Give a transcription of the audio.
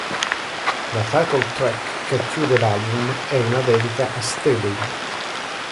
La title track, che chiude l'album, è una dedica a Staley.